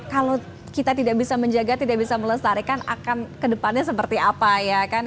kalau kita tidak bisa menjaga tidak bisa melestarikan akan kedepannya seperti apa ya kan